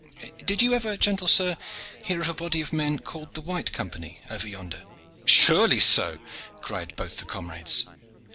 Did you ever, gentle sir, hear of a body of men called 'The White Company' over yonder?" "Surely so," cried both the comrades.